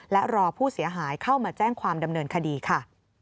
และรอผู้เสียหายเข้ามาแจ้งความดำเนินคดีค่ะ